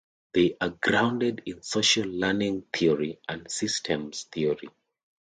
They are grounded in social learning theory and systems theory.